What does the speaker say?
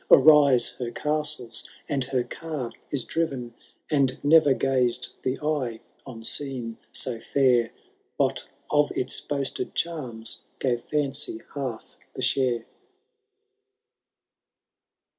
Arise her castles, and her car is driven ; And nevor gaxed the eye on scene so fiiir. But of its boasted channs gave Fancy half the share.